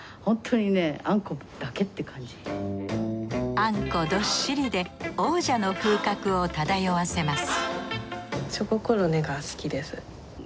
あんこどっしりで王者の風格を漂わせます